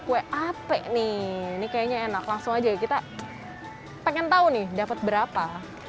kue ape nih ini kayaknya enak langsung aja kita pengen tahu nih dapat berapa